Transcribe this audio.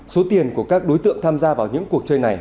số tiền của các đối tượng tham gia vào những cuộc chơi này